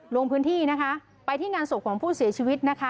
ลงพื้นที่นะคะไปที่งานศพของผู้เสียชีวิตนะคะ